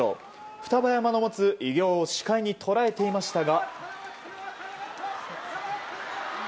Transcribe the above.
双葉山の持つ偉業を視界に捉えていましたが。